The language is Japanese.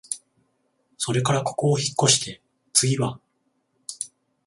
それからここをひっこして、つぎは、